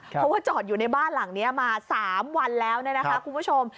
เพราะว่าจอดอยู่ในบ้านหลังนี้มา๓วันแล้วเนี่ยนะคะคุณผู้ชม